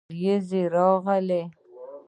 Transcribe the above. ورېځې راغلې